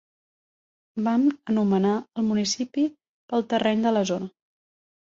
Van anomenar el municipi pel terreny de la zona.